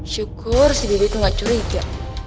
syukur si bibi tuh gak curiga